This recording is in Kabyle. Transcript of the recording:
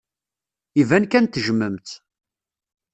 Iban kan tejjmem-tt.